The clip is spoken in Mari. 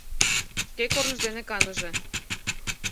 Шке корныж дене каныже.